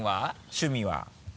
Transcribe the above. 趣味は。